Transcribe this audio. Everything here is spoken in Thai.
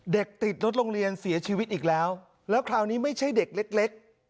เด็กติดรถโรงเรียนเสียชีวิตอีกแล้วแล้วคราวนี้ไม่ใช่เด็กเล็ก